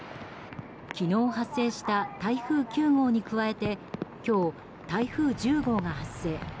昨日発生した台風９号に加えて今日、台風１０号が発生。